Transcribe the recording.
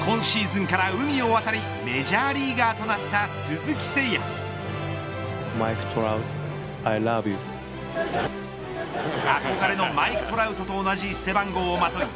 今シーズンから海を渡りメジャーリーガーとなった憧れのマイク・トラウトと同じ背番号をまとい